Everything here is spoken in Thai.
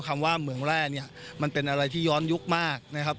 คำว่าเหมืองแร่เนี่ยมันเป็นอะไรที่ย้อนยุคมากนะครับ